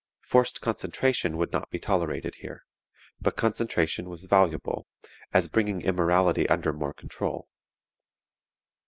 Forced concentration would not be tolerated here; but concentration was valuable, as bringing immorality more under control.